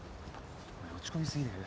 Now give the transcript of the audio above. お前落ち込み過ぎだよ。